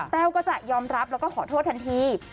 แววก็จะยอมรับแล้วก็ขอโทษทันที